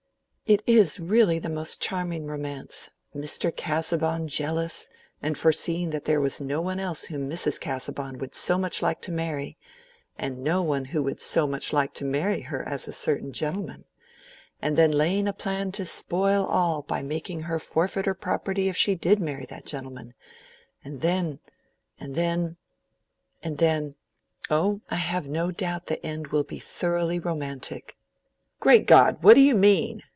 "It is really the most charming romance: Mr. Casaubon jealous, and foreseeing that there was no one else whom Mrs. Casaubon would so much like to marry, and no one who would so much like to marry her as a certain gentleman; and then laying a plan to spoil all by making her forfeit her property if she did marry that gentleman—and then—and then—and then—oh, I have no doubt the end will be thoroughly romantic." "Great God! what do you mean?"